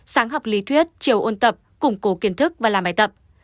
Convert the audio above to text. sáng học lý thuyết chiều ôn tập củng cố kiến thức và làm bài tập